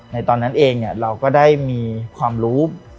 ในตอนนั้นเองเราก็ได้มีความรู้